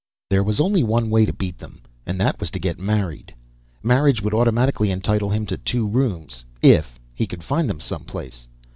There was only one way to beat them and that was to get married. Marriage would automatically entitle him to two rooms if he could find them someplace.